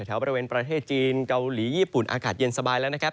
แถวบริเวณประเทศจีนเกาหลีญี่ปุ่นอากาศเย็นสบายแล้วนะครับ